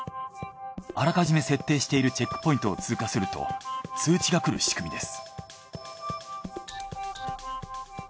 あらかじめ設定しているチェックポイントを通過すると通知が来る仕組みです。